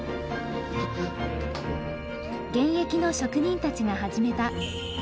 現役の職人たちが始めた伝承講座。